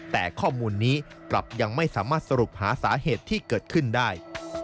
แต่ข้อมูลนี้กลับยังไม่สามารถสรุปหาสาเหตุที่เกิดขึ้นได้